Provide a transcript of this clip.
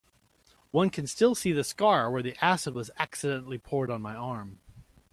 One can still see the scar where the acid was accidentally poured on my arm.